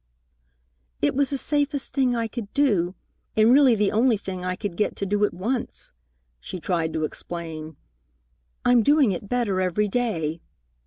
"It was the safest thing I could do, and really the only thing I could get to do at once," she tried to explain. "I'm doing it better every day."